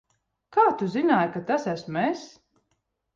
Kā tu zināji, ka tas esmu es?